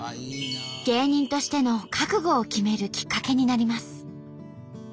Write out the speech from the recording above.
芸人としての覚悟を決めるきっかけになります。